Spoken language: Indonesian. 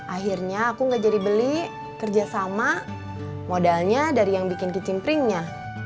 akhirnya aku gak jadi beli kerjasama modalnya dari yang bikin kicing pringnya